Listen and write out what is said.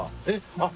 あっ。